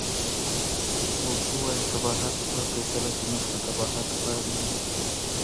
ورته ووایه قباحت په فیصله کې نشته، قباحت په منګي کې دی.